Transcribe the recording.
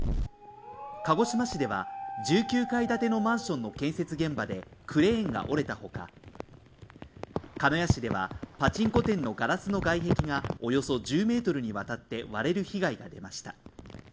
鹿児島市では１９階建てのマンションの建設現場でクレーンが折れたほか、鹿屋市ではパチンコ店のガラスの外壁がおよそ１０ｍにわたって割れる被害が出ました。